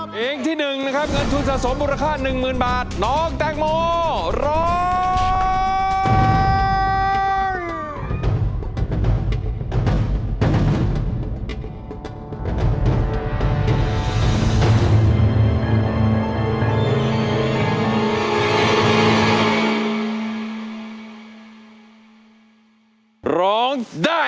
เพลงที่๑นะครับเงินทุนสะสมมูลค่า๑๐๐๐บาทน้องแตงโมร้อง